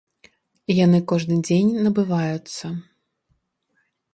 Яны кожны дзень набываюцца.